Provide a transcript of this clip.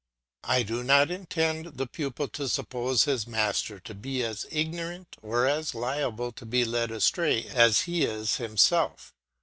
I do not intend the pupil to suppose his master to be as ignorant, or as liable to be led astray, as he is himself.